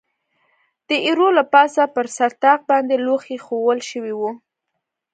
د ایرو له پاسه پر سر طاق باندې لوښي اېښوول شوي و.